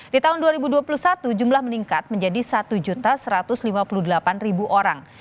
di tahun dua ribu dua puluh satu jumlah meningkat menjadi satu satu ratus lima puluh delapan orang